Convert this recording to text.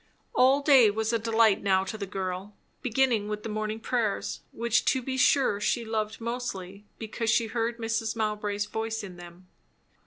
All day was a delight now to the girl; beginning with the morning prayers, which to be sure she loved mostly because she heard Mrs. Mowbray's voice in them.